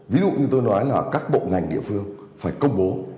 ví dụ như tôi nói là các bộ ngành địa phương phải công bố